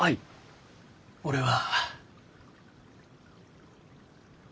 俺は。